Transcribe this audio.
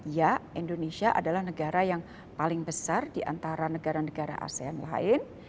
ya indonesia adalah negara yang paling besar di antara negara negara asean lain